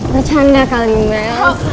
bercanda kali mas